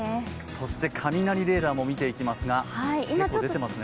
そして雷レーダーも見ていきますが、結構出ていますね。